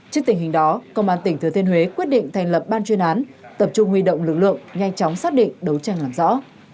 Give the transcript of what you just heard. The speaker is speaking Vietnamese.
trước tình hình đó công an tỉnh thừa thiên huế quyết định thành lập ban chuyên án tập trung huy động lực lượng nhanh chóng xác định đấu tranh làm rõ